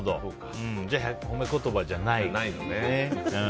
じゃあ褒め言葉じゃないね。